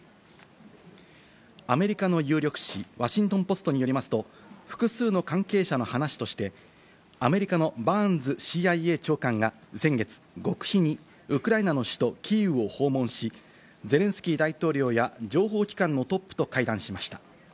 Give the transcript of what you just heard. アメリカの有力紙、ワシントン・ポストによりますと、複数の関係者の話として、アメリカのバーンズＣＩＡ長官が先月、極秘にウクライナの首都キーウを訪問し、ゼレンスキー大統領や、情報機関のトップと会談しました。